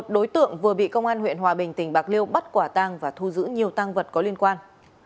một mươi đối tượng vừa bị công an huyện hòa bình tỉnh bạc liêu bắt quả tang và thu giữ nhiều tăng vật có liên quan